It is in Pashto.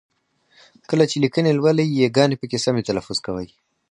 کله چې لیکني لولئ ی ګاني پکې سمې تلفظ کوئ!